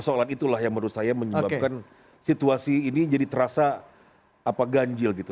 persoalan itulah yang menurut saya menyebabkan situasi ini jadi terasa ganjil gitu